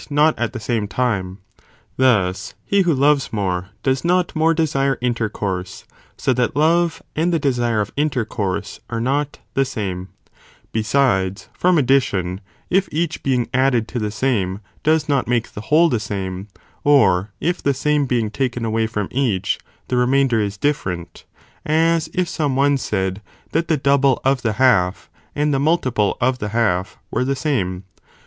not at the same time; thus, he who loves more, does not more desire intercourse, so that love, and the desire of intercourse, are not the same. 7. If both are Besides, from addition, if each being added to equal, having the same, does not make the whole the same, or tgonethe ,: same accession if the same being taken away from each, the re or diminution. mainder is different ; as if some one said, that the double of the half, and the multiple of the half, were the same.